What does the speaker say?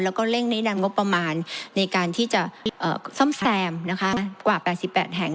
แล้วก็เร่งแนะนำงบประมาณในการที่จะซ่อมแซมกว่า๘๘แห่ง